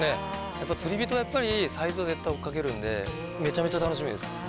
やっぱ釣りびとはやっぱりサイズを絶対追っかけるんでめちゃめちゃ楽しみです。